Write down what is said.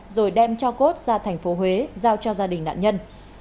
rồi đem cho cốt ra thành phố huế giao cho gia đình nạn nhân